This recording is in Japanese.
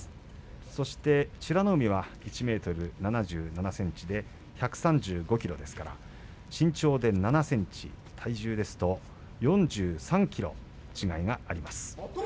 そして美ノ海は１ｍ７７ｃｍ１３５ｋｇですから身長で７ｃｍ体重ですと４３ｋｇ違いがあります。